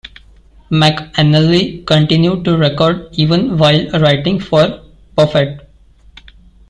McAnally continued to record even while writing for Buffett.